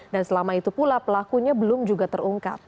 dan selama itu pula pelakunya belum juga terungkap